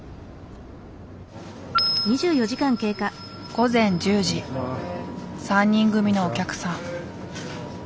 午前１０時３人組のお客さん。